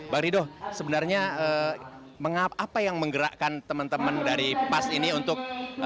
bang rido sebenarnya apa yang menggerakkan teman teman dari pas ini untuk